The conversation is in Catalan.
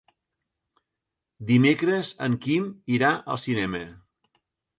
Dimecres en Quim irà al cinema.